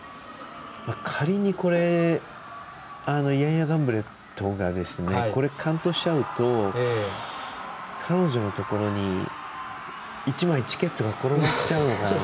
仮にヤンヤ・ガンブレットこれを完登しちゃうと彼女のところに１枚チケットが転がっちゃうのかなと